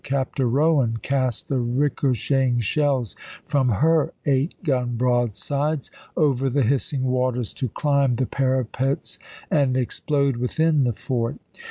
Captain Rowan, cast the ricocheting shells from her eight gun broadsides over the hissing waters to climb the parapets and explode within the fort.